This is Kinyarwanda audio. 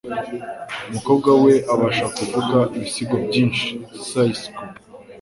Umukobwa we abasha kuvuga ibisigo byinshi. (sysko)